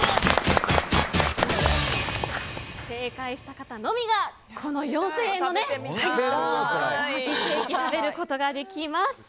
正解した方のみがこの４０００円のおはぎケーキを食べることができます。